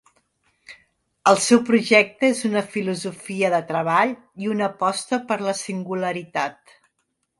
El seu projecte és una filosofia de treball i una aposta per la singularitat.